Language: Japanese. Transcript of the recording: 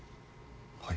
はい。